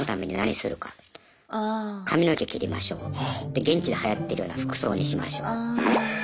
で現地ではやってるような服装にしましょう。